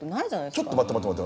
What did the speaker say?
ちょっと待って待って。